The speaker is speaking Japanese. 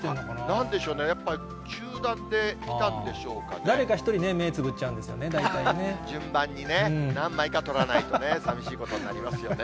なんでしょうね、やっぱり集誰か一人、目つぶっちゃうん順番にね、何枚か撮らないとね、寂しいことになりますよね。